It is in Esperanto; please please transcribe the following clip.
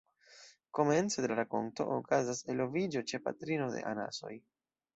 Komence de la rakonto, okazas eloviĝo ĉe patrino de anasoj.